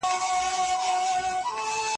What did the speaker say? حضرت عبد الله بن مسعود ورته کومه لارښوونه وکړه؟